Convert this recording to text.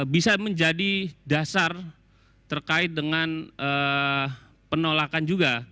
bisa menjadi dasar terkait dengan penolakan juga